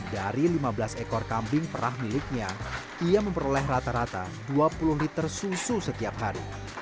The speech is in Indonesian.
dari lima belas ekor kambing perah miliknya ia memperoleh rata rata dua puluh liter susu setiap hari